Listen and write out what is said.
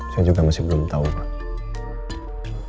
saya juga masih belum tahu pak